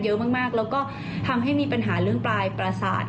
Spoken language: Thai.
เยอะมากแล้วก็ทำให้มีปัญหาเรื่องปลายประสาท